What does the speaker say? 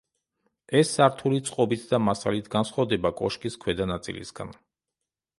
ეს სართული წყობით და მასალით განსხვავდება კოშკის ქვედა ნაწილისაგან.